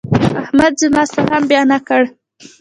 احمد زما سلام بيا نه کړ.